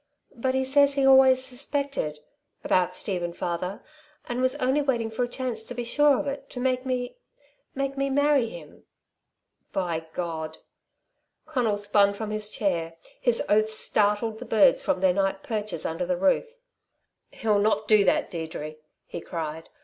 But he says he always suspected ... about Steve and father, and was only waiting for a chance to be sure of it to make me ... make me marry him." "By God " Conal spun from his chair. His oaths startled the birds from their night perches under the roof. "He'll not do that, Deirdre!" he cried.